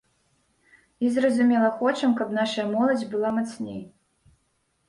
І зразумела, хочам, каб нашая моладзь была мацней.